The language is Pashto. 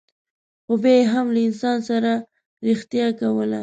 خو بیا یې هم له انسان سره رښتیا کوله.